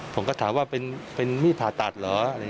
ผมก็ถามว่าเป็นมีดผ่าตัดเหรอ